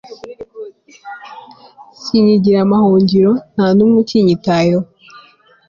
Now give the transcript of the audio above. sinkigira amahungiro, nta n'umwe ukinyitayeho